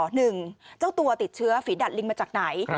หนึ่งเจ้าตัวติดเชื้อฝีดัดลิงมาจากไหน